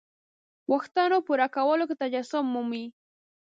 غوښتنو پوره کولو کې تجسم مومي.